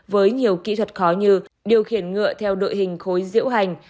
với nhiều kỹ thuật khó như điều khiển ngựa theo đội hình khối diễu hành